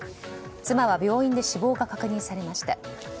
妻は病院で死亡が確認されました。